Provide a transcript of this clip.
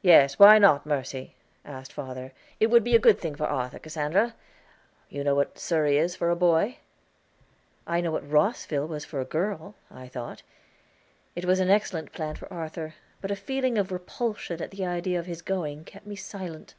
"Yes, why not, Mercy?" asked father. "Would it be a good thing for Arthur, Cassandra? You know what Surrey is for a boy." "I know what Rosville was for a girl," I thought. It was an excellent plan for Arthur; but a feeling of repulsion at the idea of his going kept me silent.